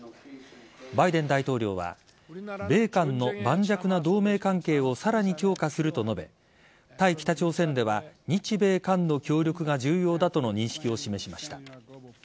バイデン大統領は米韓の盤石な同盟関係をさらに強化すると述べ対北朝鮮では日米韓の協力が重要だとの認識を示しました。